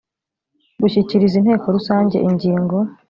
gushyikiriza inteko rusange ingingo